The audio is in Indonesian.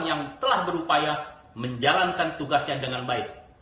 yang telah berupaya menjalankan tugasnya dengan baik